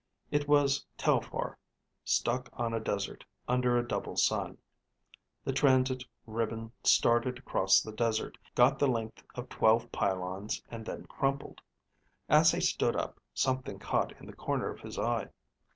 It was Telphar, stuck on a desert, under a double sun. The transit ribbon started across the desert, got the length of twelve pylons, and then crumpled. As he stood up, something caught in the corner of his eye.